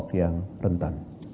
lompok yang rentan